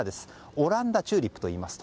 オランダチューリップといいます。